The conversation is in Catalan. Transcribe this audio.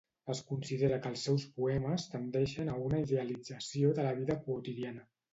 Es considera que els seus poemes tendeixen a una idealització de la vida quotidiana.